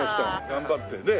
頑張ってね。